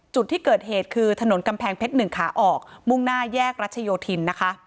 จุดที่เกิดเหตุคือถนนกำแพงเพชร๑ขาออกมุ่งหน้าแยกรัชโยธินนะคะ